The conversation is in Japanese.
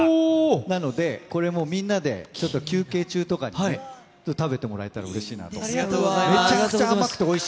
なので、これもみんなでちょっと休憩中とかにね、ちょっと食べてもらえたらうれしいなと。